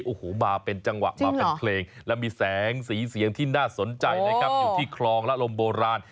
โอ้โหมาเป็นจังหวะมาเป็นเพลงและมีแสงสีเสียงที่น่าสนใจนะครับอยู่ที่คลองละลมโบราณ